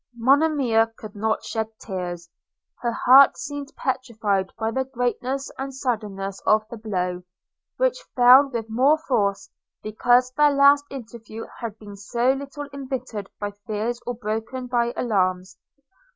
Monimia could not shed tears; her heart seemed petrified by the greatness and suddenness of the blow, which fell with more force, because their last interview had been so little embittered by fears or broken by alarms.